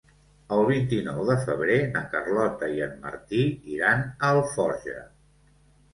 El vint-i-nou de febrer na Carlota i en Martí iran a Alforja.